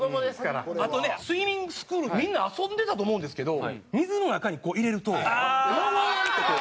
あとねスイミングスクールみんな遊んでたと思うんですけど水の中にこう入れるとウワワンってこう。